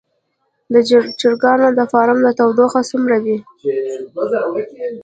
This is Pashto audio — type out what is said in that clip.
د چرګانو د فارم تودوخه څومره وي؟